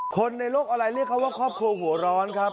คนในโลกออนไลน์เรียกเขาว่าครอบครัวหัวร้อนครับ